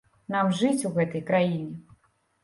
Нам жыць у гэтай краіне!